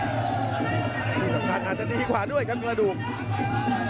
ที่สำคัญอาจจะดีกว่าด้วยครับกระดูก